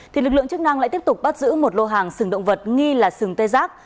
thì lực lượng chức năng lại tiếp tục bắt giữ một lô hàng sừng động vật nghi là sừng tê giác